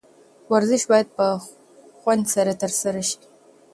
ورزش باید په خوند سره ترسره شي.